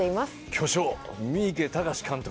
巨匠三池崇史監督